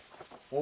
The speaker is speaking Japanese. お！